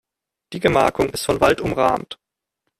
Die Gemarkung ist von Wald umrahmt.